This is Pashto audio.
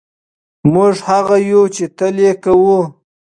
موږ هغه یو چې تل یې کوو.